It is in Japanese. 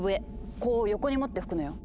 こう横に持って吹くのよ。